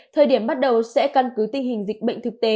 thời điểm bắt đầu sẽ căn cứ tình hình dịch bệnh thực tế